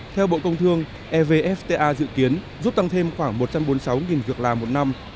theo bộ công thương evfta dự kiến giúp tăng thêm khoảng một trăm bốn mươi sáu việc làm một năm